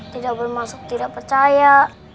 tidak bermasuk tidak percaya